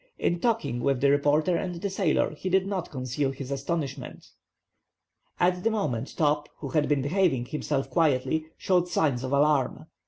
In talking with the reporter and the sailor, he did not conceal his astonishment. At this moment, Top, who had been behaving himself quietly, showed signs of alarm.